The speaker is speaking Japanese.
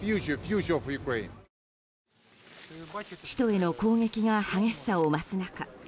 首都への攻撃が激しさを増す中